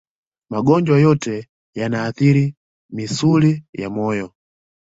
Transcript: Magonjwa yote yanayoathiri misuli ya moyo